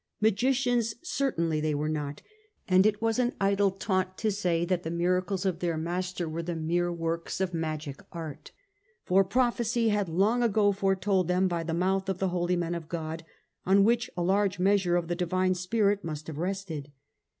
Magicians cer tainly they were not, and it was an idle taunt to say that the miracles of their Master were the mere works of magic art, for prophecy had long ago foretold them by the mouth of the holy men of God on whom a large measure of the Divine Spirit must have rested.